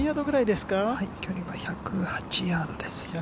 距離は１０８ヤードです。